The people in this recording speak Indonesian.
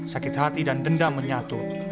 sakit hati dan dendam menyatu